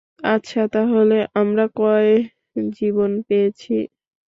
আচ্ছা, তাহলে আমরা কয় জীবন পেয়েছি?